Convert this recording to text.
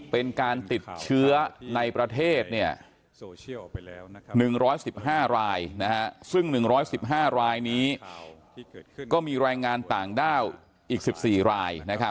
เป็นการติดเชื้อในประเทศ๑๑๕รายซึ่ง๑๑๕รายนี้ก็มีแรงงานต่างด้าวอีก๑๔ราย